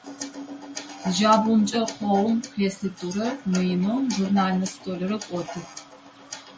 Джабгъумкӏэ къогъум креслитӏурэ мыинэу журнальнэ столрэ къотых.